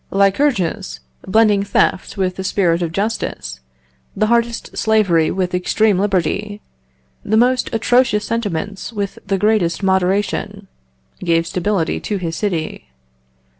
Lycurgus, blending theft with the spirit of justice, the hardest slavery with extreme liberty, the most atrocious sentiments with the greatest moderation, gave stability to his city.